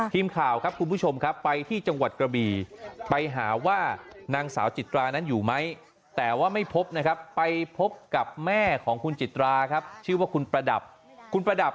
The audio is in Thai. ทีมข่าวครับคุณผู้ชมครับไปที่จังหวัดกระบีไปหาว่านางสาวจิตรานั้นอยู่ไหมแต่ว่าไม่พบนะครับไปพบกับแม่ของคุณจิตราครับชื่อว่าคุณประดับคุณประดับ